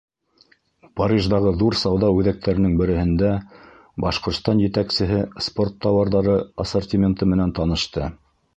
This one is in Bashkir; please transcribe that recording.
Париждағы ҙур сауҙа үҙәктәренең береһендә Башҡортостан етәксеһе спорт тауарҙары ассортименты менән танышты.